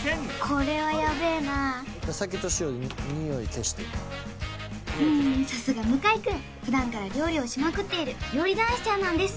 これはやべえなうんさすが向井くん普段から料理をしまくっている料理男子ちゃんなんです